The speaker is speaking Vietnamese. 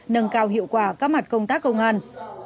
nâng cao hiệu quả các mặt công tác công an